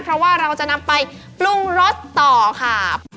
เพราะว่าเราจะนำไปปรุงรสต่อค่ะ